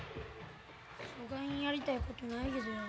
そがんやりたいことないけどよ。